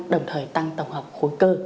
đồng thời tăng tổng hợp khối cơ